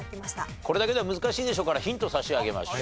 これだけでは難しいでしょうからヒントを差し上げましょう。